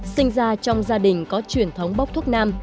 sinh ra trong gia đình có truyền thống bốc thuốc nam